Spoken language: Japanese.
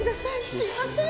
すいません。